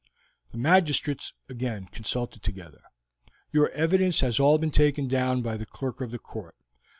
The magistrates again consulted together. "Your evidence has all been taken down by the clerk of the court.